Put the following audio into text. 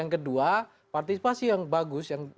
kedua partisipasi yang bagus